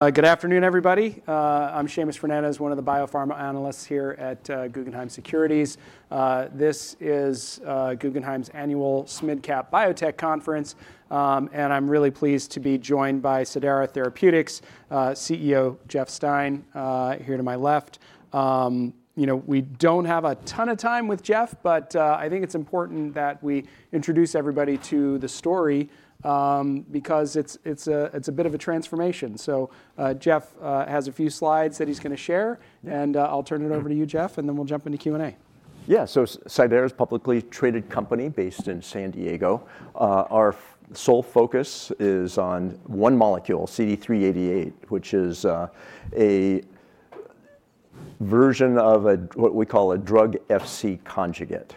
Good afternoon, everybody. I'm Seamus Fernandez, one of the biopharma analysts here at Guggenheim Securities. This is Guggenheim's annual SMID Cap Biotech Conference, and I'm really pleased to be joined by Cidara Therapeutics CEO Jeff Stein here to my left. We don't have a ton of time with Jeff, but I think it's important that we introduce everybody to the story because it's a bit of a transformation. So Jeff has a few slides that he's going to share, and I'll turn it over to you, Jeff, and then we'll jmp into Q&A. Yeah, so Cidara is a publicly traded company based in San Diego. Our sole focus is on one molecule, CD388, which is a version of what we call a drug-Fc conjugate,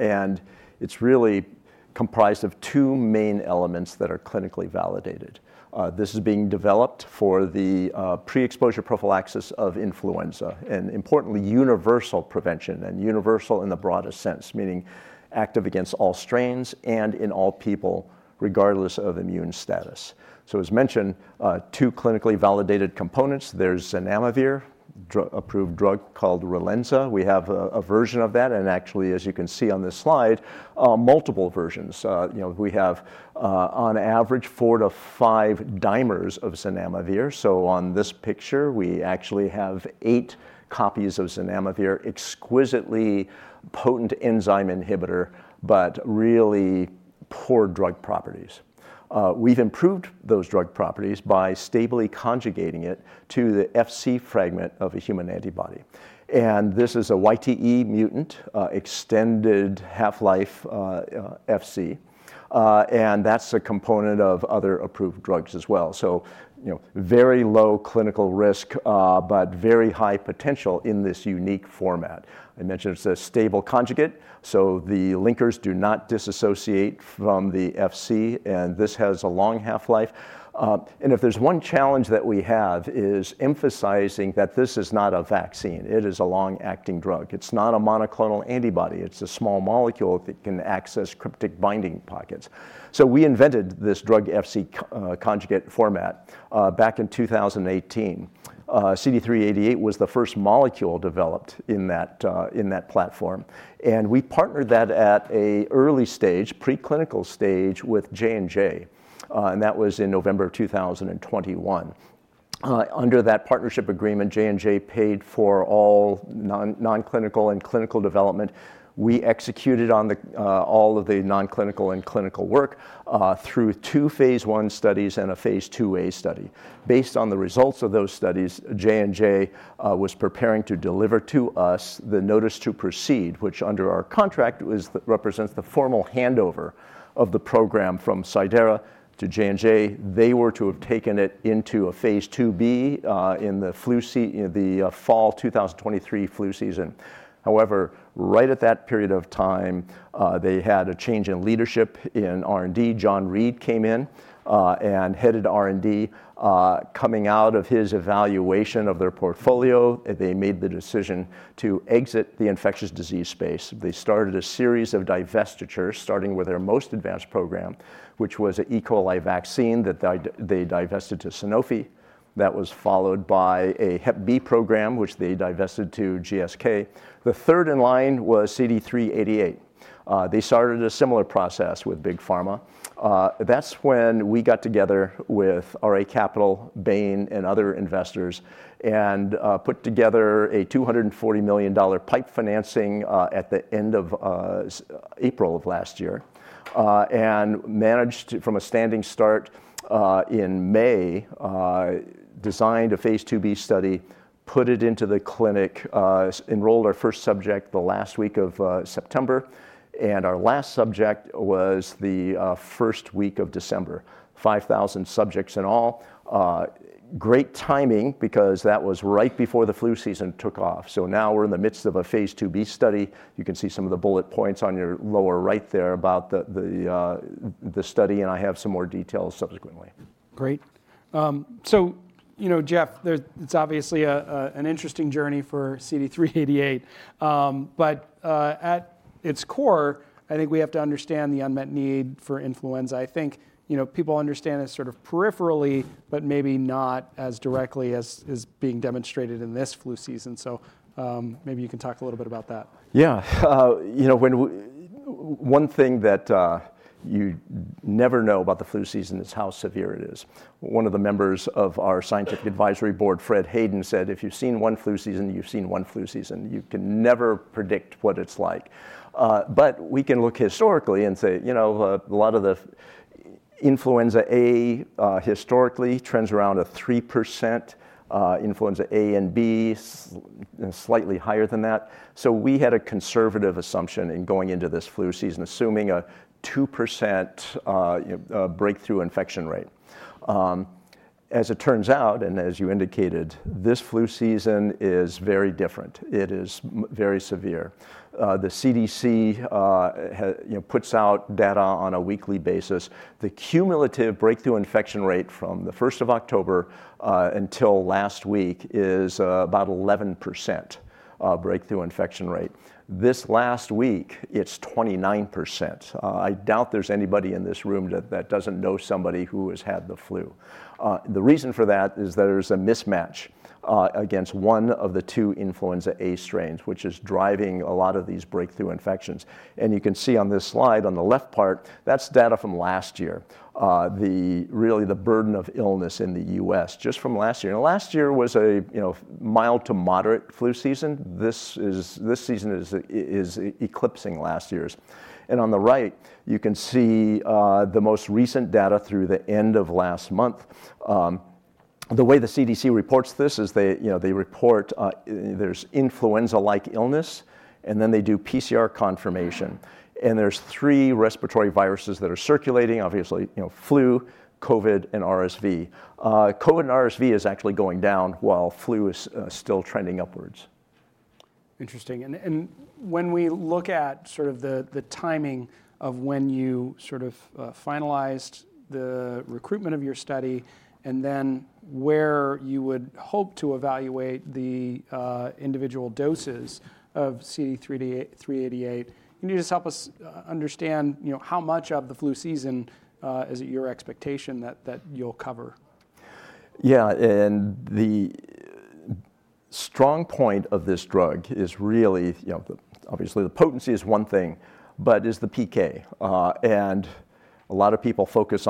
and it's really comprised of two main elements that are clinically validated. This is being developed for the pre-exposure prophylaxis of influenza and, importantly, universal prevention and universal in the broadest sense, meaning active against all strains and in all people, regardless of immune status, so as mentioned, two clinically validated components. There's zanamivir, an approved drug called Relenza. We have a version of that, and actually, as you can see on this slide, multiple versions. We have, on average, four to five dimers of zanamivir. So on this picture, we actually have eight copies of zanamivir, an exquisitely potent enzyme inhibitor, but really poor drug properties. We've improved those drug properties by stably conjugating it to the Fc fragment of a human antibody, and this is a YTE mutant, extended half-life Fc, and that's a component of other approved drugs as well, so very low clinical risk, but very high potential in this unique format. I mentioned it's a stable conjugate, so the linkers do not disassociate from the Fc, and this has a long half-life, and if there's one challenge that we have is emphasizing that this is not a vaccine. It is a long-acting drug. It's not a monoclonal antibody. It's a small molecule that can access cryptic binding pockets, so we invented this drug-Fc conjugate format back in 2018. CD388 was the first molecule developed in that platform, and we partnered that at an early stage, pre-clinical stage, with J&J, and that was in November 2021. Under that partnership agreement, J&J paid for all non-clinical and clinical development. We executed on all of the non-clinical and clinical work through two phase I studies and a phase IIa study. Based on the results of those studies, J&J was preparing to deliver to us the notice to proceed, which under our contract represents the formal handover of the program from Cidara to J&J. They were to have taken it into a phase IIb in the fall 2023 flu season. However, right at that period of time, they had a change in leadership in R&D. John Reed came in and headed R&D. Coming out of his evaluation of their portfolio, they made the decision to exit the infectious disease space. They started a series of divestitures, starting with their most advanced program, which was an E. coli vaccine that they divested to Sanofi. That was followed by a Hep B program, which they divested to GSK. The third in line was CD388. They started a similar process with Big Pharma. That's when we got together with RA Capital, Bain, and other investors and put together a $240 million PIPE financing at the end of April of last year, and managed, from a standing start in May, designed a phase IIb study, put it into the clinic, enrolled our first subject the last week of September, and our last subject was the first week of December, 5,000 subjects in all. Great timing because that was right before the flu season took off, so now we're in the midst of a phase IIb study. You can see some of the bullet points on your lower right there about the study, and I have some more details subsequently. Great. So Jeff, it's obviously an interesting journey for CD388, but at its core, I think we have to understand the unmet need for influenza. I think people understand it sort of peripherally, but maybe not as directly as being demonstrated in this flu season. So maybe you can talk a little bit about that. Yeah. One thing that you never know about the flu season is how severe it is. One of the members of our scientific advisory board, Fred Hayden, said, "If you've seen one flu season, you've seen one flu season." You can never predict what it's like. But we can look historically and say, you know, a lot of the influenza A historically trends around a 3%, influenza A and B slightly higher than that. So we had a conservative assumption in going into this flu season, assuming a 2% breakthrough infection rate. As it turns out, and as you indicated, this flu season is very different. It is very severe. The CDC puts out data on a weekly basis. The cumulative breakthrough infection rate from the 1st of October until last week is about 11% breakthrough infection rate. This last week, it's 29%. I doubt there's anybody in this room that doesn't know somebody who has had the flu. The reason for that is there's a mismatch against one of the two influenza A strains, which is driving a lot of these breakthrough infections, and you can see on this slide on the left part, that's data from last year, really, the burden of illness in the U.S. just from last year, and last year was a mild to moderate flu season. This season is eclipsing last year's, and on the right, you can see the most recent data through the end of last month. The way the CDC reports this is they report there's influenza-like illness, and then they do PCR confirmation, and there's three respiratory viruses that are circulating, obviously flu, COVID, and RSV. COVID and RSV is actually going down while flu is still trending upwards. Interesting. And when we look at sort of the timing of when you sort of finalized the recruitment of your study and then where you would hope to evaluate the individual doses of CD388, can you just help us understand how much of the flu season is it your expectation that you'll cover? Yeah. And the strong point of this drug is really, obviously, the potency is one thing, but is the PK. And a lot of people focus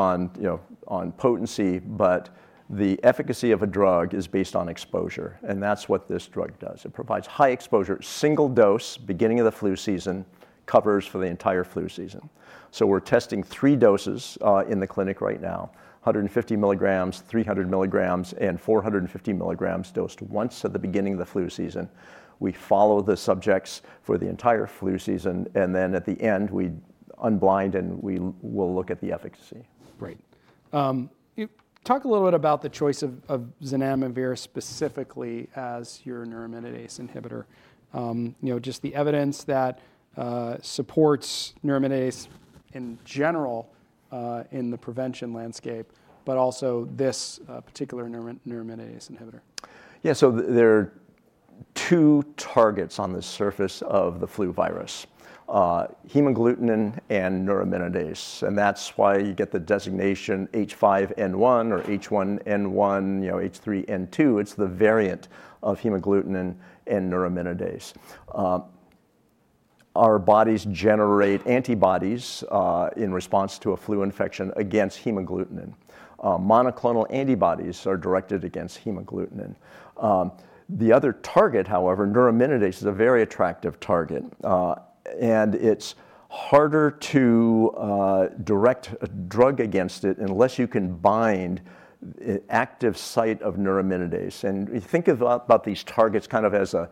on potency, but the efficacy of a drug is based on exposure. And that's what this drug does. It provides high exposure, single dose, beginning of the flu season, covers for the entire flu season. So we're testing three doses in the clinic right now, 150 milligrams, 300 milligrams, and 450 milligrams dosed once at the beginning of the flu season. We follow the subjects for the entire flu season, and then at the end, we unblind and we will look at the efficacy. Great. Talk a little bit about the choice of zanamivir specifically as your neuraminidase inhibitor, just the evidence that supports neuraminidase in general in the prevention landscape, but also this particular neuraminidase inhibitor. Yeah, so there are two targets on the surface of the flu virus, hemagglutinin and neuraminidase, and that's why you get the designation H5N1 or H1N1, H3N2. It's the variant of hemagglutinin and neuraminidase. Our bodies generate antibodies in response to a flu infection against hemagglutinin. Monoclonal antibodies are directed against hemagglutinin. The other target, however, neuraminidase is a very attractive target, and it's harder to direct a drug against it unless you can bind an active site of neuraminidase, and you think about these targets kind of as a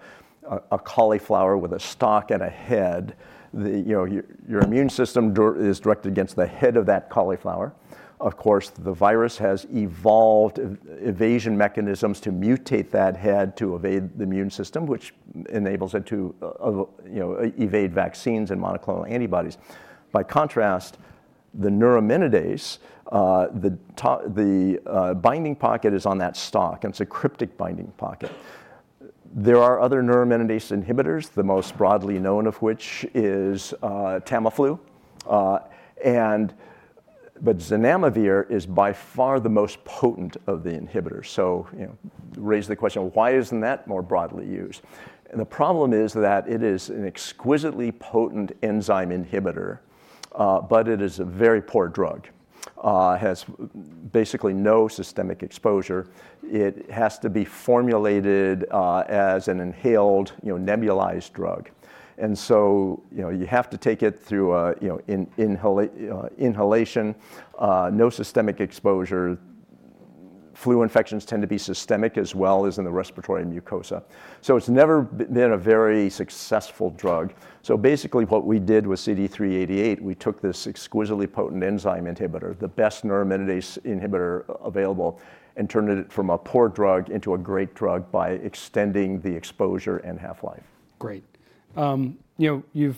cauliflower with a stalk and a head. Your immune system is directed against the head of that cauliflower. Of course, the virus has evolved evasion mechanisms to mutate that head to evade the immune system, which enables it to evade vaccines and monoclonal antibodies. By contrast, the neuraminidase, the binding pocket is on that stalk, and it's a cryptic binding pocket. There are other neuraminidase inhibitors, the most broadly known of which is Tamiflu, but zanamivir is by far the most potent of the inhibitors. So raise the question, why isn't that more broadly used? The problem is that it is an exquisitely potent enzyme inhibitor, but it is a very poor drug. It has basically no systemic exposure. It has to be formulated as an inhaled nebulized drug. You have to take it through inhalation, no systemic exposure. Flu infections tend to be systemic as well as in the respiratory mucosa. It's never been a very successful drug. Basically what we did with CD388, we took this exquisitely potent enzyme inhibitor, the best neuraminidase inhibitor available, and turned it from a poor drug into a great drug by extending the exposure and half-life. Great. You've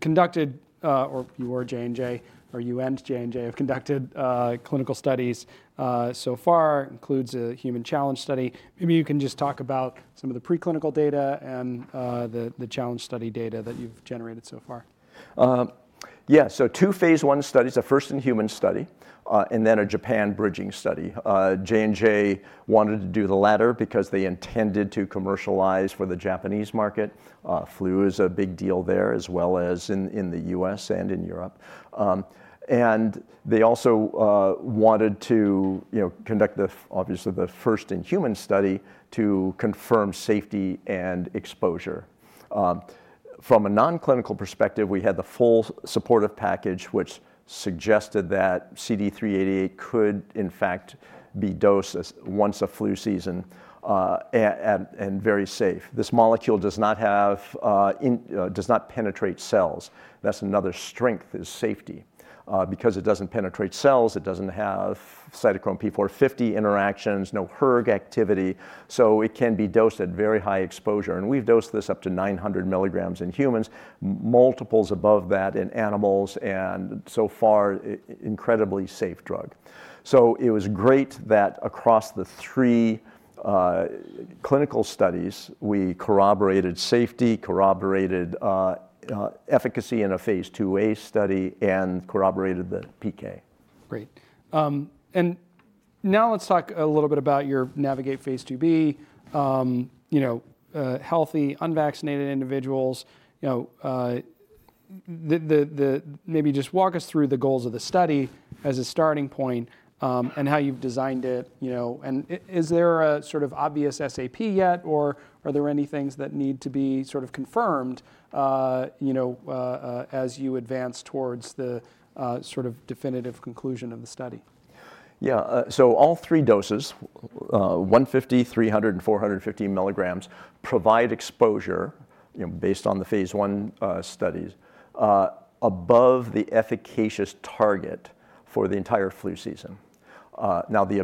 conducted, or you were J&J, or you and J&J have conducted clinical studies so far, includes a human challenge study. Maybe you can just talk about some of the preclinical data and the challenge study data that you've generated so far. Yeah. So two phase I studies, a first in human study and then a Japan bridging study. J&J wanted to do the latter because they intended to commercialize for the Japanese market. Flu is a big deal there, as well as in the U.S. and in Europe. And they also wanted to conduct, obviously, the first in human study to confirm safety and exposure. From a non-clinical perspective, we had the full supportive package, which suggested that CD388 could, in fact, be dosed once a flu season and very safe. This molecule does not penetrate cells. That's another strength is safety. Because it doesn't penetrate cells, it doesn't have cytochrome P450 interactions, no hERG activity. So it can be dosed at very high exposure. And we've dosed this up to 900 milligrams in humans, multiples above that in animals, and so far, incredibly safe drug. So it was great that across the three clinical studies, we corroborated safety, corroborated efficacy in a phase IIa study, and corroborated the PK. Great, and now let's talk a little bit about your NAVIGATE phase IIb, healthy unvaccinated individuals. Maybe just walk us through the goals of the study as a starting point and how you've designed it, and is there a sort of obvious SAP yet, or are there any things that need to be sort of confirmed as you advance towards the sort of definitive conclusion of the study? Yeah. So all three doses, 150, 300, and 450 milligrams, provide exposure based on the phase I studies above the efficacious target for the entire flu season. Now, the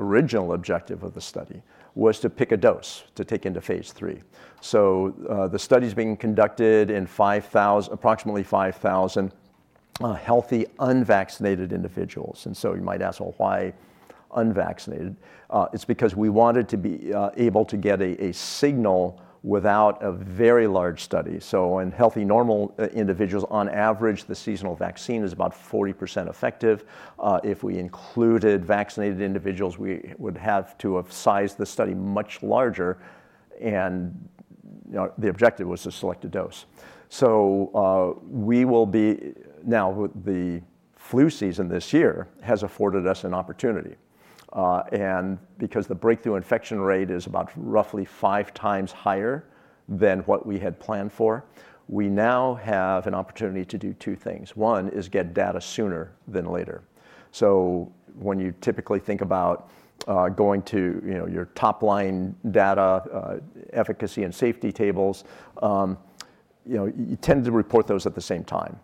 original objective of the study was to pick a dose to take into phase III. So the study is being conducted in approximately 5,000 healthy unvaccinated individuals. And so you might ask, well, why unvaccinated? It's because we wanted to be able to get a signal without a very large study. So in healthy normal individuals, on average, the seasonal vaccine is about 40% effective. If we included vaccinated individuals, we would have to have sized the study much larger. And the objective was to select a dose. So we will be now, the flu season this year has afforded us an opportunity. Because the breakthrough infection rate is about roughly five times higher than what we had planned for, we now have an opportunity to do two things. One is get data sooner than later. When you typically think about going to your top-line data efficacy and safety tables, you tend to report those at the same time.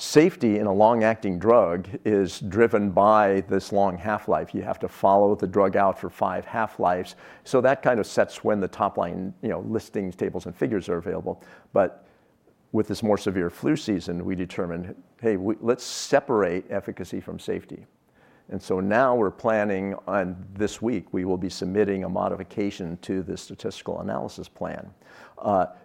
Safety in a long-acting drug is driven by this long half-life. You have to follow the drug out for five half-lives. That kind of sets when the top-line listings, tables, and figures are available. With this more severe flu season, we determined, hey, let's separate efficacy from safety. And so now we're planning on this week, we will be submitting a modification to the statistical analysis plan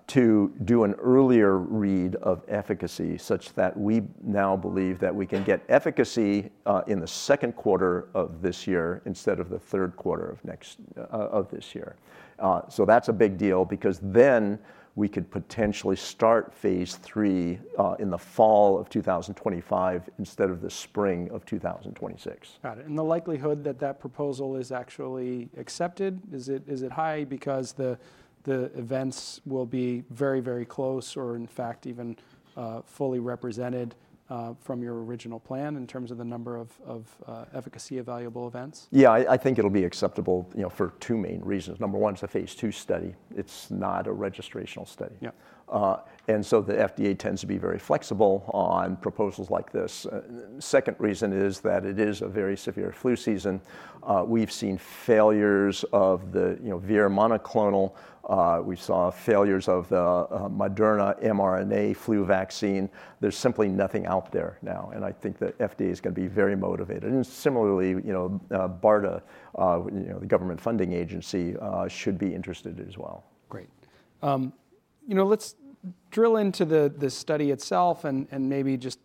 to do an earlier read of efficacy such that we now believe that we can get efficacy in the second quarter of this year instead of the third quarter of this year. So that's a big deal because then we could potentially start phase III in the fall of 2025 instead of the spring of 2026. Got it. And the likelihood that that proposal is actually accepted, is it high because the events will be very, very close or in fact even fully represented from your original plan in terms of the number of efficacy evaluable events? Yeah. I think it'll be acceptable for two main reasons. Number one is a phase II study. It's not a registrational study. And so the FDA tends to be very flexible on proposals like this. Second reason is that it is a very severe flu season. We've seen failures of the Vir monoclonal. We saw failures of the Moderna mRNA flu vaccine. There's simply nothing out there now. And I think the FDA is going to be very motivated. And similarly, BARDA, the government funding agency, should be interested as well. Great. Let's drill into the study itself and maybe just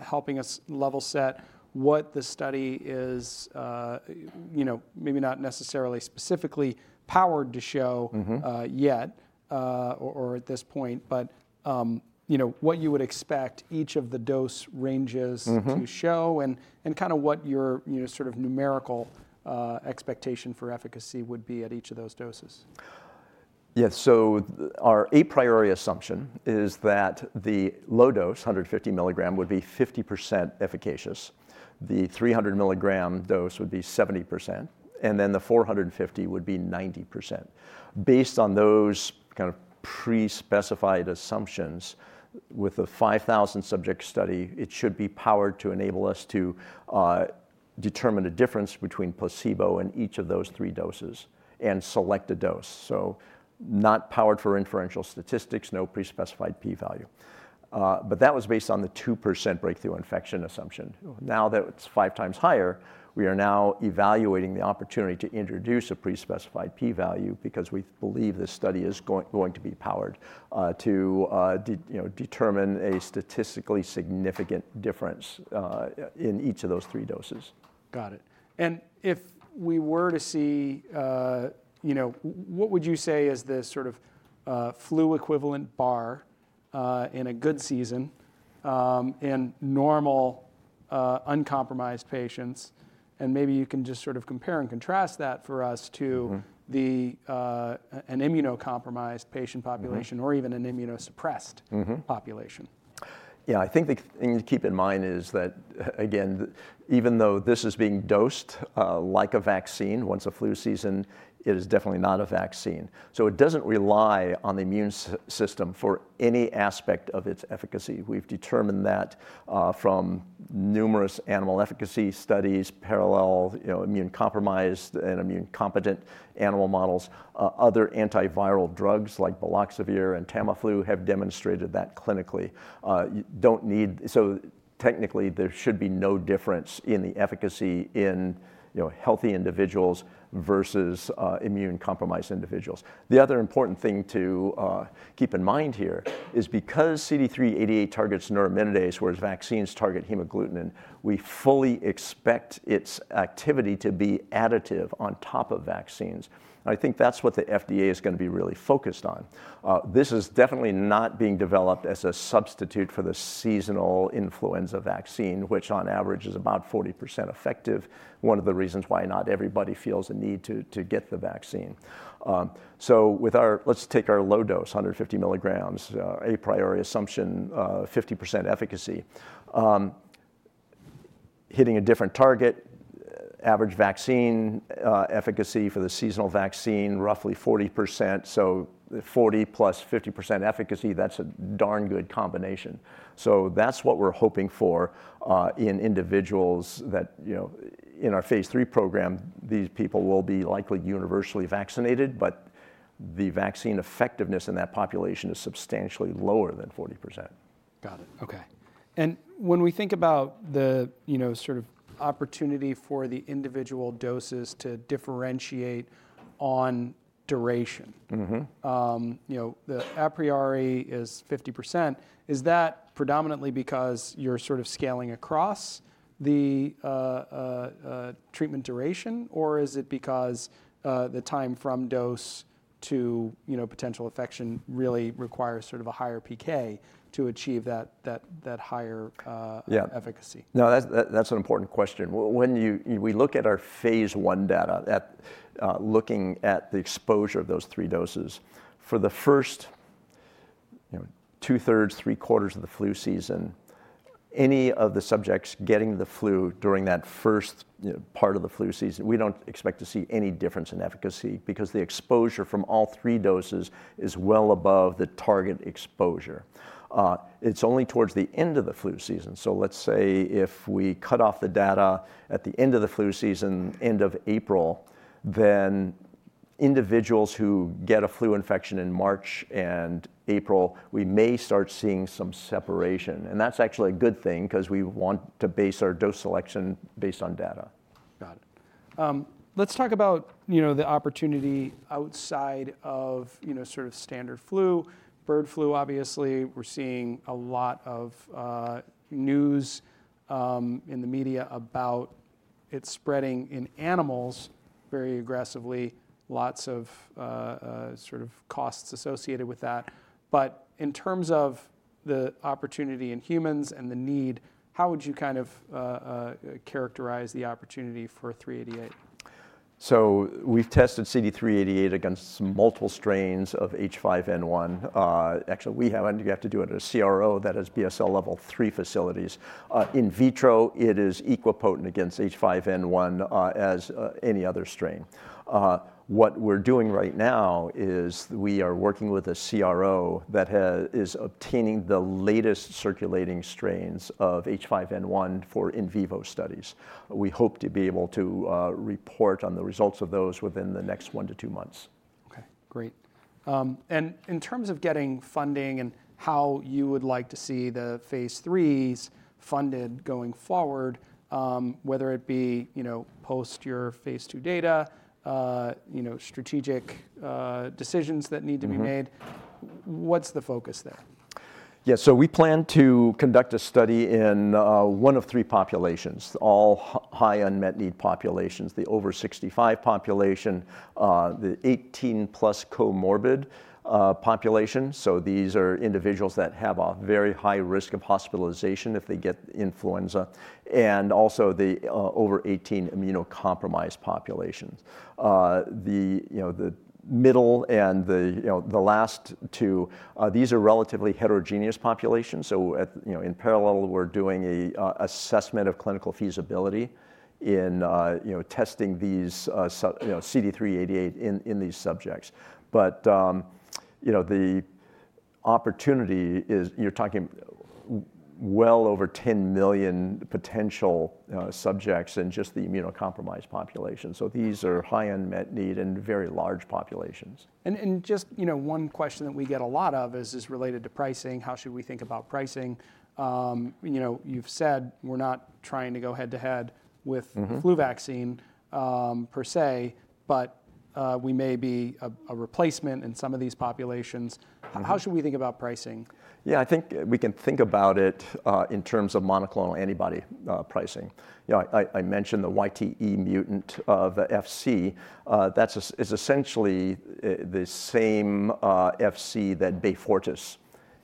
helping us level set what the study is, maybe not necessarily specifically powered to show yet or at this point, but what you would expect each of the dose ranges to show and kind of what your sort of numerical expectation for efficacy would be at each of those doses. Yeah. So our a priori assumption is that the low dose, 150 milligram, would be 50% efficacious. The 300 milligram dose would be 70%, and then the 450 would be 90%. Based on those kind of pre-specified assumptions with the 5,000 subject study, it should be powered to enable us to determine a difference between placebo and each of those three doses and select a dose. So not powered for inferential statistics, no pre-specified p-value. But that was based on the 2% breakthrough infection assumption. Now that it's five times higher, we are now evaluating the opportunity to introduce a pre-specified p-value because we believe this study is going to be powered to determine a statistically significant difference in each of those three doses. Got it. And if we were to see, what would you say is the sort of flu equivalent bar in a good season in normal uncompromised patients? And maybe you can just sort of compare and contrast that for us to an immunocompromised patient population or even an immunosuppressed population? Yeah. I think the thing to keep in mind is that, again, even though this is being dosed like a vaccine, once a flu season, it is definitely not a vaccine. So it doesn't rely on the immune system for any aspect of its efficacy. We've determined that from numerous animal efficacy studies, parallel immunocompromised and immunocompetent animal models, other antiviral drugs like baloxavir and Tamiflu have demonstrated that clinically. So technically, there should be no difference in the efficacy in healthy individuals versus immunocompromised individuals. The other important thing to keep in mind here is because CD388 targets neuraminidase, whereas vaccines target hemagglutinin, we fully expect its activity to be additive on top of vaccines, and I think that's what the FDA is going to be really focused on. This is definitely not being developed as a substitute for the seasonal influenza vaccine, which on average is about 40% effective, one of the reasons why not everybody feels a need to get the vaccine. So let's take our low dose, 150 milligrams, a priori assumption, 50% efficacy, hitting a different target, average vaccine efficacy for the seasonal vaccine, roughly 40%. So 40+ 50% efficacy, that's a darn good combination. So that's what we're hoping for in individuals that in our phase III program, these people will be likely universally vaccinated, but the vaccine effectiveness in that population is substantially lower than 40%. Got it. Okay. And when we think about the sort of opportunity for the individual doses to differentiate on duration, the a priori is 50%. Is that predominantly because you're sort of scaling across the treatment duration, or is it because the time from dose to potential infection really requires sort of a higher PK to achieve that higher efficacy? No, that's an important question. When we look at our phase I data, looking at the exposure of those three doses, for the first two-thirds, three-quarters of the flu season, any of the subjects getting the flu during that first part of the flu season, we don't expect to see any difference in efficacy because the exposure from all three doses is well above the target exposure. It's only towards the end of the flu season. So let's say if we cut off the data at the end of the flu season, end of April, then individuals who get a flu infection in March and April, we may start seeing some separation. And that's actually a good thing because we want to base our dose selection based on data. Got it. Let's talk about the opportunity outside of sort of standard flu, bird flu, obviously. We're seeing a lot of news in the media about it spreading in animals very aggressively, lots of sort of costs associated with that. But in terms of the opportunity in humans and the need, how would you kind of characterize the opportunity for 388? We've tested CD388 against multiple strains of H5N1. Actually, we have to do it at a CRO that has BSL level III facilities. In vitro, it is equally potent against H5N1 as any other strain. What we're doing right now is we are working with a CRO that is obtaining the latest circulating strains of H5N1 for in vivo studies. We hope to be able to report on the results of those within the next one to two months. Okay. Great. And in terms of getting funding and how you would like to see the phase III funded going forward, whether it be post your phase II data, strategic decisions that need to be made, what's the focus there? Yeah. So we plan to conduct a study in one of three populations, all high unmet need populations, the over-65 population, the 18+ comorbid population. So these are individuals that have a very high risk of hospitalization if they get influenza, and also the over-18 immunocompromised populations. The middle and the last two, these are relatively heterogeneous populations. So in parallel, we're doing an assessment of clinical feasibility in testing these CD388 in these subjects. But the opportunity is you're talking well over 10 million potential subjects in just the immunocompromised population. So these are high unmet need and very large populations. Just one question that we get a lot of is related to pricing. How should we think about pricing? You've said we're not trying to go head to head with flu vaccine per se, but we may be a replacement in some of these populations. How should we think about pricing? Yeah. I think we can think about it in terms of monoclonal antibody pricing. I mentioned the YTE mutant of the FC. That is essentially the same FC that Beyfortus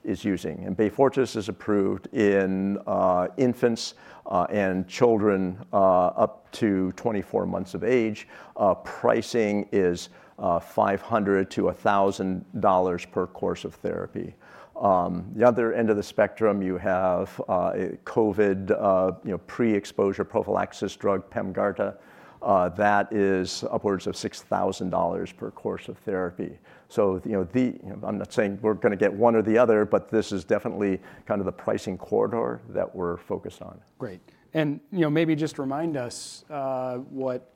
is using. And Beyfortus is approved in infants and children up to 24 months of age. Pricing is $500-$1,000 per course of therapy. The other end of the spectrum, you have COVID pre-exposure prophylaxis drug, Pemgarda. That is upwards of $6,000 per course of therapy. So I'm not saying we're going to get one or the other, but this is definitely kind of the pricing corridor that we're focused on. Great, and maybe just remind us what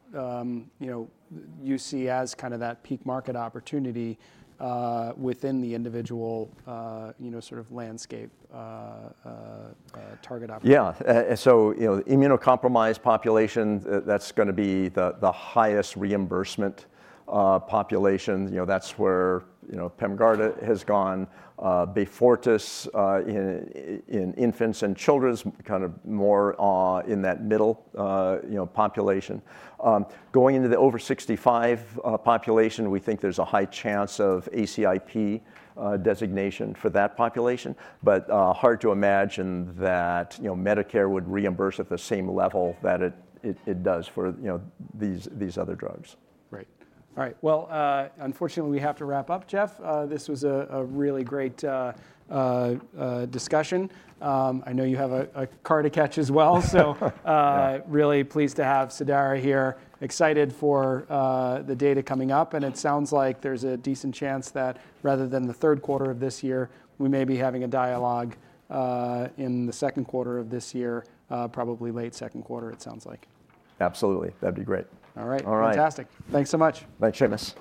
you see as kind of that peak market opportunity within the individual sort of landscape target opportunity. Yeah. So immunocompromised population, that's going to be the highest reimbursement population. That's where Pemgarda has gone. Beyfortus in infants and children is kind of more in that middle population. Going into the over 65 population, we think there's a high chance of ACIP designation for that population, but hard to imagine that Medicare would reimburse at the same level that it does for these other drugs. Great. All right. Well, unfortunately, we have to wrap up, Jeff. This was a really great discussion. I know you have a car to catch as well. So really pleased to have Cidara here, excited for the data coming up. And it sounds like there's a decent chance that rather than the third quarter of this year, we may be having a dialogue in the second quarter of this year, probably late second quarter, it sounds like. Absolutely. That'd be great. All right. Fantastic. Thanks so much. Thanks, Seamus.